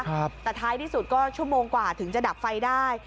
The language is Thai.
แต่ท้ายที่สุดก็ชั่วโมงกว่าถึงจะดับไฟได้